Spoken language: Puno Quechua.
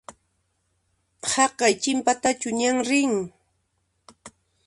Haqay chinpatachu ñan rin?